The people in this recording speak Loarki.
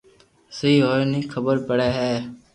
سھي ھي ني خبر پڙي ھي